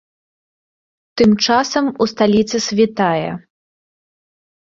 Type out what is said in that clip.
Тым часам у сталіцы світае.